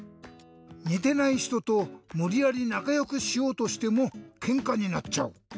にてないひととむりやりなかよくしようとしてもケンカになっちゃう。